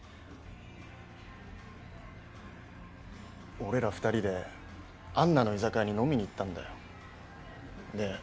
俺ら２人でアンナの居酒屋に飲みに行ったんだよで